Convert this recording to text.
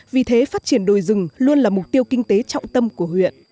vì thế phát triển đồi rừng luôn là mục tiêu kinh tế trọng tâm của huyện